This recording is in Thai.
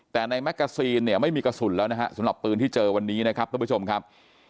แต่ในแกซีนเนี่ยไม่มีกระสุนแล้วนะฮะสำหรับปืนที่เจอวันนี้นะครับท่านผู้ชมครับ